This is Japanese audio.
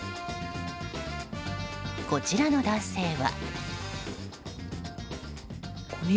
こちらの男性は。